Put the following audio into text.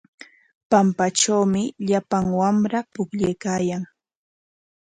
Pampatrawmi llapan wamra pukllaykaayan.